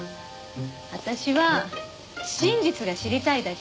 私は真実が知りたいだけ。